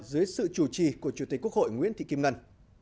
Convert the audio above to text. dưới sự chủ trì của chủ tịch quốc hội nguyễn thị kim ngân